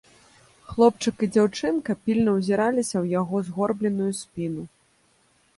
Хлопчык і дзяўчынка пільна ўзіраліся ў яго згорбленую спіну.